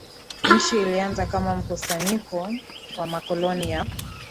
Nchi ilianza kama mkusanyiko wa makoloni ya